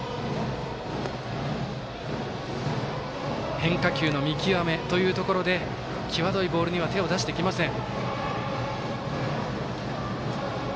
変化球の見極めというところで際どいボールには手を出してきません。